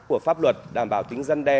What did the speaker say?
của pháp luật đảm bảo tính dân đe